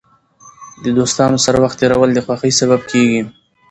د دوستانو سره وخت تېرول د خوښۍ سبب کېږي.